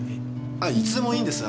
あいつでもいいんです。